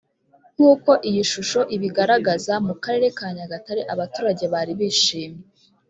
Nk uko iyi shusho ibibagaraza mu karere ka Nyagatare abaturage bari bishimye